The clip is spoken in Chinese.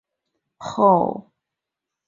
后担任文学部教授。